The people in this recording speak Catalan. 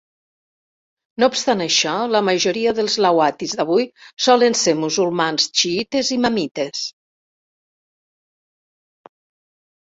No obstant això, la majoria dels lawatis d'avui solen ser musulmans xiïtes imamites.